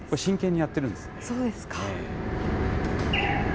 そうですか。